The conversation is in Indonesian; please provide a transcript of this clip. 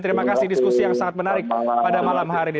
terima kasih diskusi yang sangat menarik pada malam hari ini